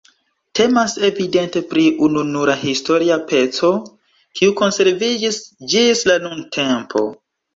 Temas evidente pri ununura historia peco, kiu konserviĝis ĝis la nuntempo.